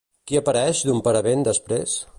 Qui apareix d'un paravent després?